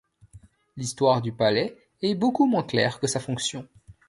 L'histoire du palais est beaucoup moins claire que sa fonction.